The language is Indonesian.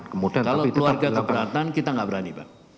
kalau keluarga keberatan kita tidak berani pak